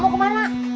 ma mau kemana